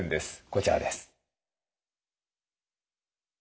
こちらです。